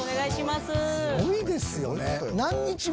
すごいですよね。